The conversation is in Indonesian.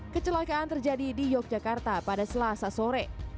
kecelakaan terjadi di yogyakarta pada selasa sore